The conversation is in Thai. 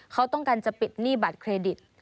เขาต้องการจะปิดหนี้บัตรเครดิต